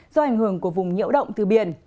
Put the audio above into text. do ảnh hưởng của vùng nhiễu động từ biển